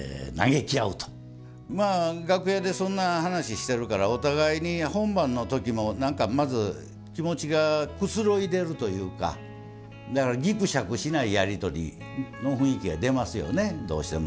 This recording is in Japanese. まあ楽屋でそんな話してるからお互いに本番の時も何かまず気持ちがくつろいでるというかだからぎくしゃくしないやり取りの雰囲気が出ますよねどうしても。